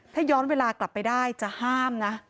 ถ้าย้อนเวลากลับไปได้จะห้ามนะ